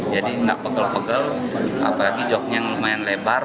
jadi nggak pegel pegel apalagi joknya yang lumayan lebar